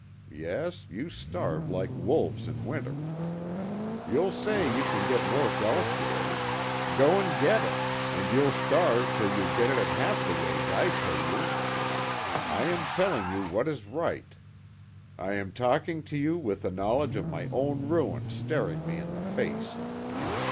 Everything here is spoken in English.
Yes, you starve like wolves in winter. You'll say you can get work elsewhere. Go and get it, and you'll starve till you get it at half the wage I pay you. I am telling you what is right. I am talking to you with the knowledge of my own ruin staring me in the face.